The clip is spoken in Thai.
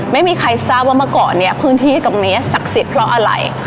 ไม่มีใครทราบว่าเมื่อก่อนเนี่ยพื้นที่ตรงนี้ศักดิ์สิทธิ์เพราะอะไร